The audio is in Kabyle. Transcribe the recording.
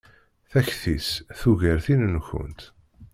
Takti-s tugar tin-nkent.